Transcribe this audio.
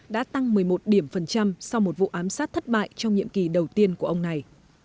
đã tăng một mươi một điểm phần trăm sau một vụ ám sát thất bại trong nhiệm kỳ đầu tiên của ông này